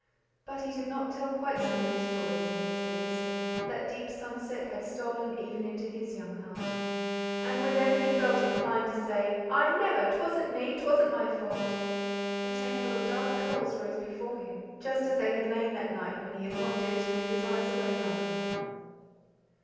But he did not tell quite so many stories in these days; that deep sunset had stolen even into his young heart, and whenever he felt inclined to say "I never, 'twasn't me, 'twasn't my fault," a tangle of dark curls rose before him, just as they had lain that night when he had not dared to move his eyes away from them.